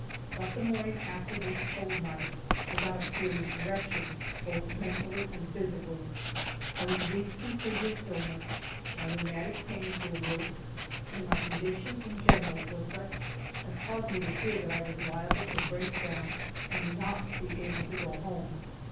But the morning after this cold night I got up feeling wretched, both mentally and physically. I was weak from previous illness, my rheumatic pains were worse, and my condition in general was such as caused me to fear that I was liable to break down and not be able to go home.